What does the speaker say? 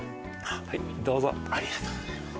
はいどうぞありがとうございます